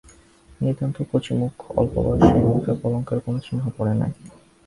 নিতান্ত কচিমুখ, অল্প বয়স, সে মুখে কলঙ্কের কোনো চিহ্ন পড়ে নাই।